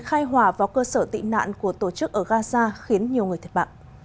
khai hỏa vào cơ sở tị nạn của tổ chức ở gaza khiến nhiều người thiệt mạng